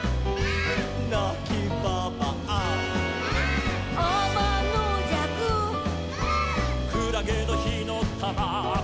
「なきばばあ」「」「あまのじゃく」「」「くらげのひのたま」「」